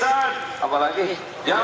mu muhammadiyah persis al izzaan